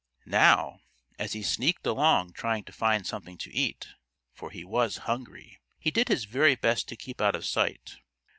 Now, as he sneaked along trying to find something to eat, for he was hungry, he did his very best to keep out of sight.